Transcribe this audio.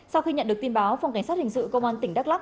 sau khi nhận được tin báo phòng cảnh sát hình sự công an tỉnh đắk lắc